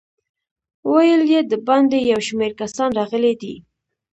ویل یې د باندې یو شمېر کسان راغلي دي.